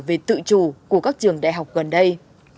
về tự chủ của các trường đại học gần đây